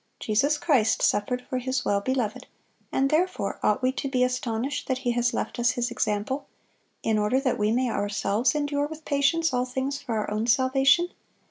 Jesus Christ suffered for His well beloved; and therefore ought we to be astonished that He has left us His example, in order that we may ourselves endure with patience all things for our own salvation?